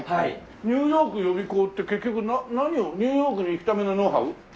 ニューヨーク予備校って結局何をニューヨークに行くためのノウハウ？